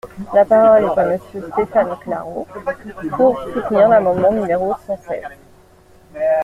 La parole est à Monsieur Stéphane Claireaux, pour soutenir l’amendement numéro cent seize.